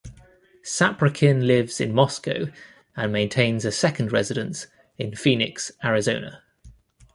Saprykin lives in Moscow and maintains a second residence in Phoenix, Arizona.